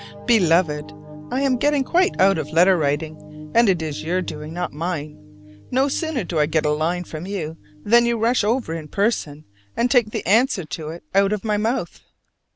Beloved: I am getting quite out of letter writing, and it is your doing, not mine. No sooner do I get a line from you than you rush over in person and take the answer to it out of my mouth!